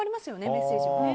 メッセージを。